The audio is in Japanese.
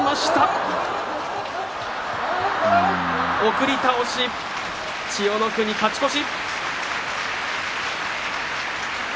送り倒し千代の国、勝ち越し。